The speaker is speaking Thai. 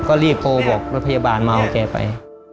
ก็รีบโทรบอกรถพยาบาลมาเอาแกไป